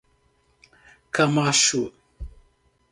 Camacho